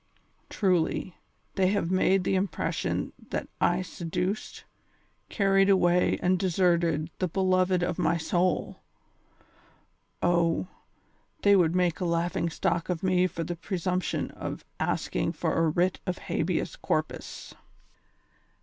Truly, they have made the impression that I seduced, carried away and deserted the beloved of my soul. Oh, they would make a laughing stock of me for the presumption of asking for a writ of habeas corpus."